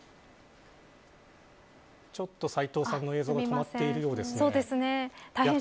斎藤さんの映像が止まっているようです。